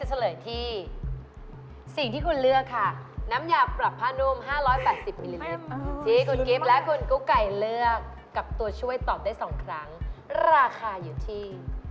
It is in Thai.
เฉลยที่สิ่งที่คุณเลือกค่ะน้ำยาปรับผ้านุ่ม๕๘๐มิลลิลิตรที่คุณกิฟต์และคุณกุ๊กไก่เลือกกับตัวช่วยตอบได้๒ครั้งราคาอยู่ที่